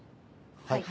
はい。